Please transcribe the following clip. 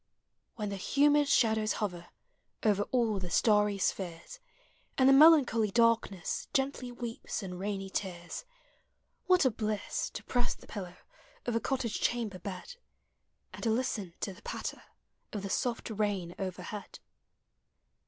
When the humid shadows hover Over all the starry spheres, And the melancholy darkness Gently weeps in rainy tears, What a bliss to press the pillow Of a cottage chamber bed, And to listen to the patter Of the soft rain overhead!